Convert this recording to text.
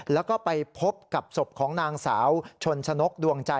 แล้วก็ไปพบกับศพของนางสาวชนชนกดวงจันท